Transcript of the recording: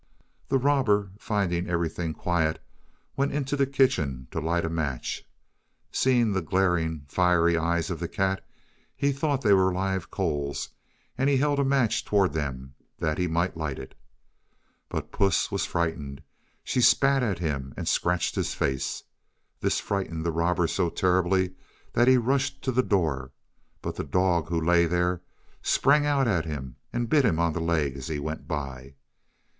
The robber, finding everything quiet, went into the kitchen to light a match. Seeing the glaring, fiery eyes of the cat, he thought they were live coals, and held a match toward them that he might light it. But Puss was frightened; she spat at him and scratched his face. This frightened the robber so terribly that he rushed to the door, but the dog, who lay there, sprang out at him and bit him on the leg as he went by.